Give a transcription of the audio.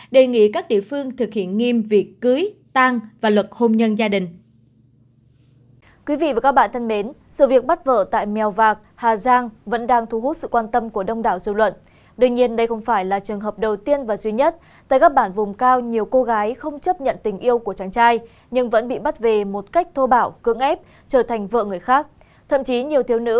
đề nghị các địa phương thực hiện nghiêm việc cưới tan và luật hôn nhân gia đình